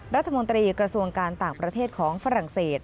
รัฐมนตรีกระทรวงการต่างประเทศของฝรั่งเศส